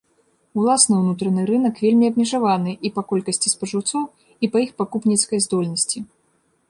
Уласны ўнутраны рынак вельмі абмежаваны і па колькасці спажыўцоў, і па іх пакупніцкай здольнасці.